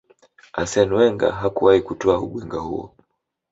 Arsene Wenger hakuwahi kutwaa ubingwa huo